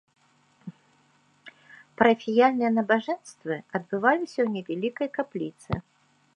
Парафіяльныя набажэнствы адбываліся ў невялікай капліцы.